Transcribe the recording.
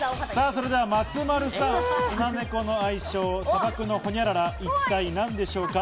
それでは松丸さん、スナネコの愛称、砂漠のホニャララ、一体何でしょうか？